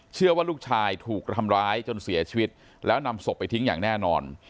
เชื่อว่าลูกชายถูกทำร้ายจนเสียชีวิตแล้วนำศพไปทิ้งอย่างแน่นอน